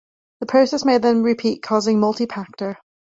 The process may then repeat causing multipactor.